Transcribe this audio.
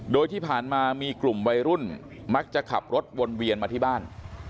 โดยที่ผ่านมามีกลุ่มวัยรุ่นมักจะขับรถวนเวียนมาที่บ้าน